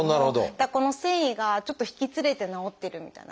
でこの線維がちょっと引きつれて治ってるみたいな。